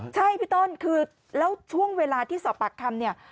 ใช่พี่ต้นคือแล้วช่วงเวลาที่สอบปากคำเนี่ย